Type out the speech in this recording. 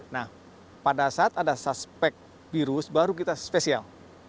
nah pada saat ada suspek virus baru kita spesial